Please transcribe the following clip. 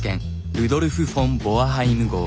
ルドルフ・フォン・ボアハイム号。